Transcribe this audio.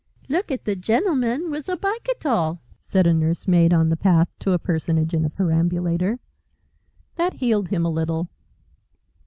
"Look at the gentleman wizzer bicitle," said a nursemaid on the path to a personage in a perambulator. That healed him a little.